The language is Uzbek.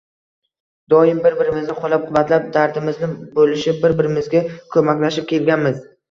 Doim bir-birimizni qoʻllab-quvvatlab, dardimizni boʻlishib, bir-birimizga koʻmaklashib kelganmiz